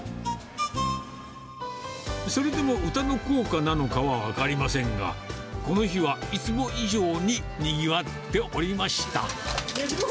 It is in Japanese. それでも歌の効果なのかは分かりませんが、この日はいつも以上ににぎわっておりました。